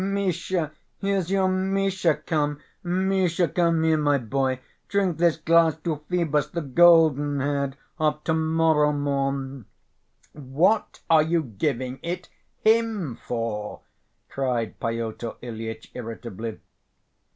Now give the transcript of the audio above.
"Misha ... here's your Misha come! Misha, come here, my boy, drink this glass to Phœbus, the golden‐haired, of to‐morrow morn...." "What are you giving it him for?" cried Pyotr Ilyitch, irritably.